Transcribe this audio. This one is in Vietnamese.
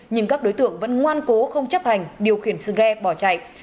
nhưng các đối tượng vẫn ngoan cố không chấp hành điều khiển sự ghe bỏ chạy